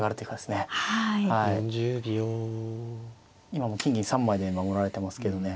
今も金銀３枚で守られてますけどね